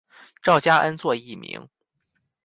赵佳恩作艺名。